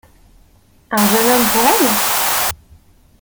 Un jeune homme pour elle ?